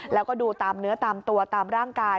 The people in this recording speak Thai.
แล้วก็ดูตามเนื้อตามตัวตามร่างกาย